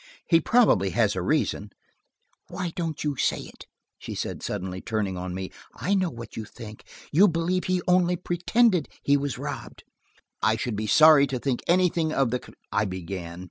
"He probably has a reason." "Why don't you say it?" she said suddenly, turning on me. "I know what you think. You believe he only pretended he was robbed!" "I should be sorry to think anything of the kind," I began.